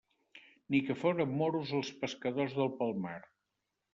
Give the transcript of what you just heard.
Ni que foren moros els pescadors del Palmar!